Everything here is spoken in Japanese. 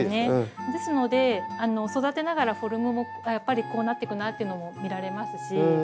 ですので育てながらフォルムもやっぱりこうなっていくなあっていうのも見られますし。